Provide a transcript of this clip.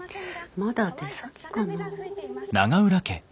まだ出先かな？